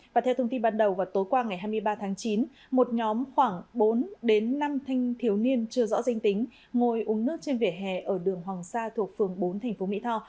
và theo thông tin ban đầu vào tối qua ngày hai mươi ba tháng chín một nhóm khoảng bốn đến năm thanh thiếu niên chưa rõ danh tính ngồi uống nước trên vỉa hè ở đường hoàng sa thuộc phường bốn thành phố mỹ tho